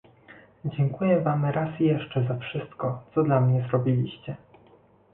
Dziękuję Wam raz jeszcze za wszystko, co dla mnie zrobiliście